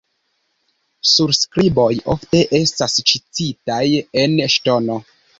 Surskriboj ofte estas ĉizitaj en ŝtono.